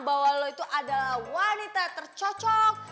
bahwa lo itu adalah wanita tercocok